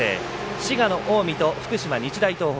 滋賀の近江と福島、日大東北。